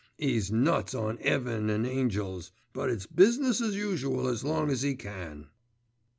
'E's nuts on 'eaven an' angels; but it's business as usual as long as 'e can.